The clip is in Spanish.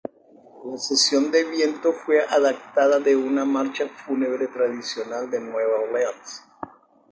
La sección de viento fue adaptada de una marcha fúnebre tradicional de Nueva Orleans.